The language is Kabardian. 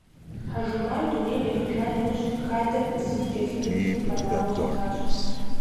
Хьэжумар дунейм ехыжа нэужь, хадэм зыри кӏэлъымыплъу къэнауэ щытащ.